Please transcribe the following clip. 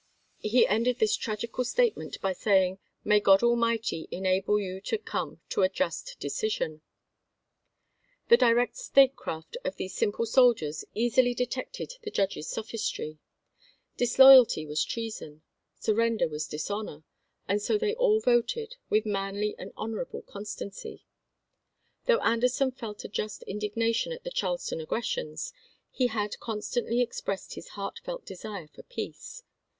He ended this tragical state suraterand ment by saying, 'May God Almighty enable you p. ios.' to come to a just decision.' " The direct statecraft of these simple soldiers eas Foster, Re ily detected the judge's sophistry. Disloyalty was S^e colfl treason. Surrender was dishonor. And so they all wSfSo voted, with manly and honorable constancy. rp. m. ' Though Anderson felt a just indignation at the Charleston aggressions, he had constantly expressed his heartfelt desire for peace.